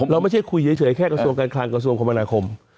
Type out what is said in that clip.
เราไม่ใช่คุยเฉยแค่กระทรวงการคลังกระทรวงคมนาคม